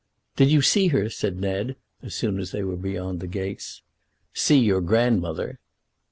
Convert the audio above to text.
"Did you see her?" said Ned, as soon as they were beyond the gates. "See your grandmother."